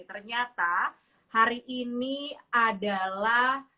ternyata hari ini adalah